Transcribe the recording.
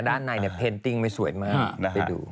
ด้านในเนี่ยเพนติ้งไม่สวยมากไปดู